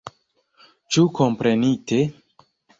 Ĉu komprenite?